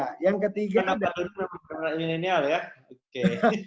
kenapa itu terlalu milenial ya oke